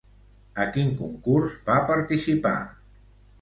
A quin concurs va participar?